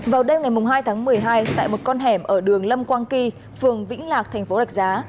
vào đêm ngày hai tháng một mươi hai tại một con hẻm ở đường lâm quang kỳ phường vĩnh lạc thành phố rạch giá